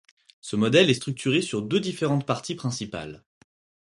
Ce modèle est structuré sur deux différentes parties principales.